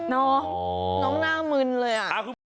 น้องหน้ามืนเลย